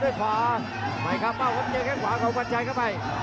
เอ้าเลยครับนี่ครับโต้นของผมนะครับ